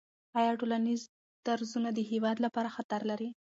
آیا ټولنیز درزونه د هېواد لپاره خطر لري؟